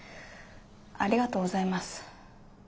ありがとうございます。